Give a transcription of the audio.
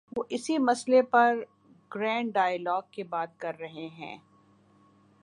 وہ اسی مسئلے پر گرینڈ ڈائیلاگ کی بات کر رہے ہیں۔